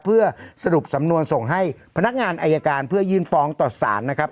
เพื่อสรุปสำนวนส่งให้พนักงานอายการเพื่อยื่นฟ้องต่อสารนะครับ